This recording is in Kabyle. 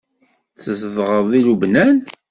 Tzedɣeḍ deg Lubnan?